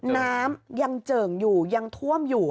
น้ำยังเจิ่งอยู่ยังท่วมอยู่